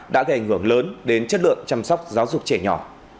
đã gây ảnh hưởng lớn đến chất lượng chăm sóc giáo dục trẻ nhỏ